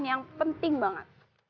yang penting banget